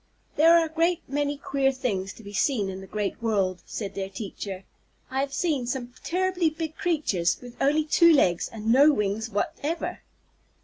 "There are a great many queer things to be seen in the great world," said their teacher. "I have seen some terribly big creatures with only two legs and no wings whatever."